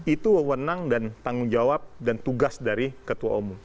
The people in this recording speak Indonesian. itu wewenang dan tanggung jawab dan tugas dari ketua umum